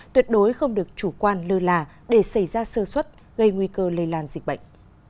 tuyệt đối không được chủ quan lơ là để xảy ra sơ xuất gây nguy cơ lây lan dịch bệnh